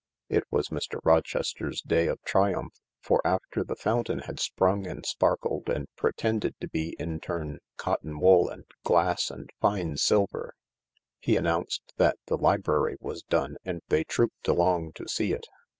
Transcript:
;It was Mr. Rochester's day of triumph, for after the foun tain had sprung and sparkled and pretended to be in turn cotton wool and glass and fine silver, he announced that the library was done, and they trooped along to see it.